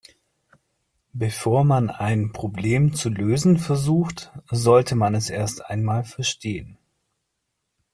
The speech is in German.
Bevor man ein Problem zu lösen versucht, sollte man es erst einmal verstehen.